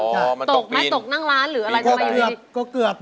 อ๋อมันตกบินตกนั่งร้านหรืออะไรก็เกือบ